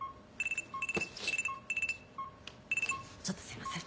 ちょっとすいません。